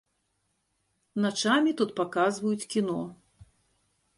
Начамі тут паказваюць кіно.